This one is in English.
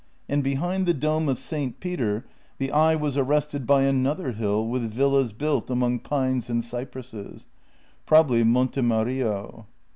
And behind the dome of St. Peter the eye was arrested by another hill with villas, built among pines and cypresses. Probably Monte Mario.